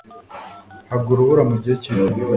hagwa urubura mu gihe cy'itumba